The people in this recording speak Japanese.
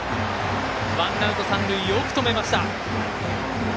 ワンアウト、三塁よく止めました。